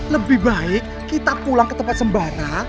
lebih baik kita pulang ke tempat sembara